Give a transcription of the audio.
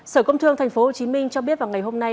sở công thương tp hcm cho biết vào ngày hôm nay